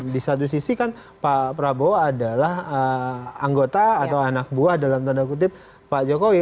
di satu sisi kan pak prabowo adalah anggota atau anak buah dalam tanda kutip pak jokowi